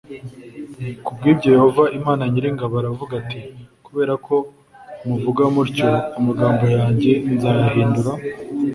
ku bw ibyo yehova imana nyir ingabo aravuga ati kubera ko muvuga mutyo amagambo yanjye nzayahindura